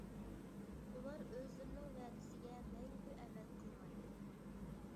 ئۇلار ئۆزلىرىنىڭ ۋەدىسىگە مەڭگۈ ئەمەل قىلمايدۇ.